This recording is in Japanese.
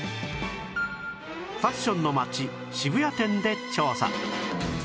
ファッションの街渋谷店で調査